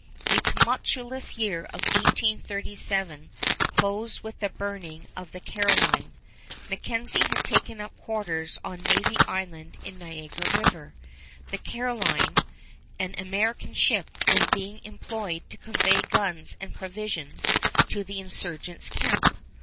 The tumultuous year of 1837 closed with the burning of the Caroline. MacKenzie had taken up quarters on Navy Island in Niagara River. The Caroline, an American ship, was being employed to convey guns and provisions to the insurgents' camp.